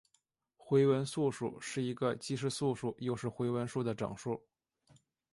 回文素数是一个既是素数又是回文数的整数。